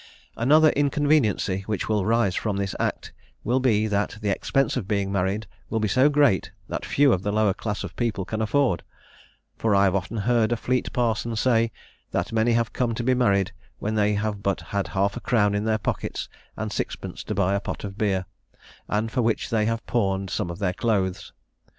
"Another inconveniency which will arise from this act will be, that the expense of being married will be so great, that few of the lower class of people can afford; for I have often heard a Fleet parson say, that many have come to be married when they have but had half a crown in their pockets, and sixpence to buy a pot of beer, and for which they have pawned some of their clothes."